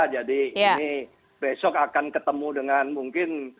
jadi ini besok akan ketemu dengan mungkin